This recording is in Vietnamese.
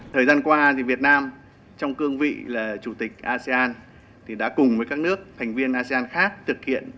thời gian qua thì việt nam trong cương vị là chủ tịch asean đã cùng với các nước thành viên asean khác thực hiện